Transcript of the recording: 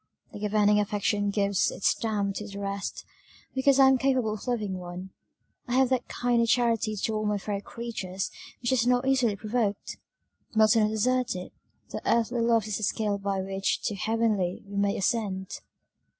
The governing affection gives its stamp to the rest because I am capable of loving one, I have that kind of charity to all my fellow creatures which is not easily provoked. Milton has asserted, That earthly love is the scale by which to heavenly we may ascend."